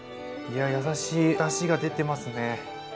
いや優しいだしが出てますね！